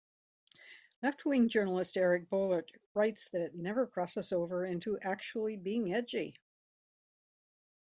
Left-wing journalist Eric Boehlert writes that it never crosses over into actually being edgy.